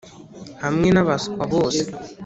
'hamwe nabaswa. bose